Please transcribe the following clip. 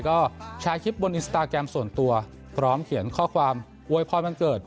ก็แชร์คลิปบนอินสตาแกรมส่วนตัวพร้อมเขียนข้อความโวยพรวันเกิด